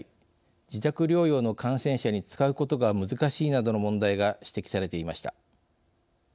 自宅療養の感染者に使うことが難しいなどの問題が指摘されていました。